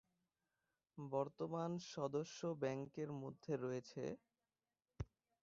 বর্তমান সদস্য ব্যাংকের মধ্যে রয়েছেঃ